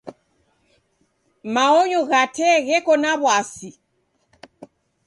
Maonyo gha tee gheko na w'asi.